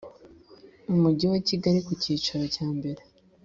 umujyi wa kigali ku cyicaro cyambere